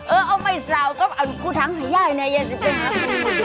เออเอาไม่สาวก็เอาทั้งให้ยายเนี่ยยายจะเป็นใครงวดแดงก่อนเด้อ